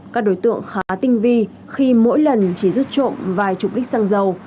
các đối tượng khá tinh vi khi mỗi lần chỉ rút trộm vài chục lít xăng dầu